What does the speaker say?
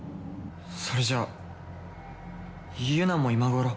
それじゃあユナも今頃。